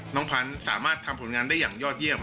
พันธุ์สามารถทำผลงานได้อย่างยอดเยี่ยม